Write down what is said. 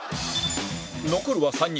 残るは３人